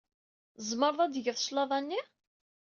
Tzemred ad d-tged cclaḍa-nni?